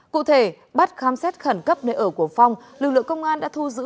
cụ thể bắt khám xét khẩn cấp nơi ở của phong lực lượng công an đã thu giữ